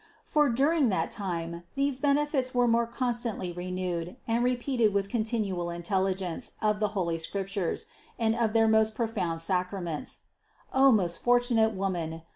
For during that time these benefits were more constantly renewed and repeated with continual intelligences of the holy Scriptures and of their most profound sacraments. O most fortunate woman